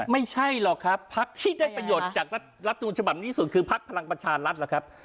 ไม่ใช่หรอกครับพักที่ได้ประโยชน์จากรัฐนูลฉบับนี้ที่สุดคือพักพลังประชารัฐล่ะครับ